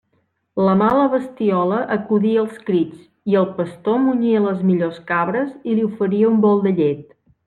La mala bestiola acudia als crits, i el pastor munyia les millors cabres i li oferia un bol de llet.